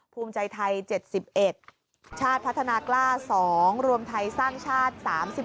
ภูมิใจไทย๗๑ชาติพัฒนากล้า๒รวมไทยสร้างชาติ๓๑